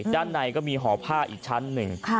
ด้านในก็มีหอผ้าอีกชั้นหนึ่ง